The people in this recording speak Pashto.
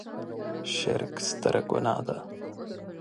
شرک ستره ګناه ده.